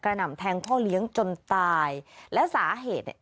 หน่ำแทงพ่อเลี้ยงจนตายและสาเหตุเนี่ย